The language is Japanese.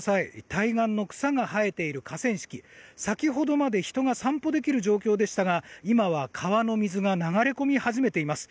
対岸の草が生えている河川敷先ほどまで人が散歩できる状況でしたが今は川の水が流れ込み始めています。